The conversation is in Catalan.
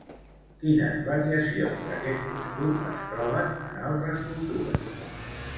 Quines variacions d'aquest costum es troben en altres cultures?